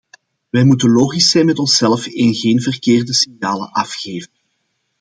Wij moeten logisch zijn met onszelf en geen verkeerde signalen afgeven.